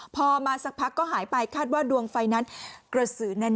พอมาสักพักก็หายไปคาดว่าดวงไฟนั้นกระสือแน่น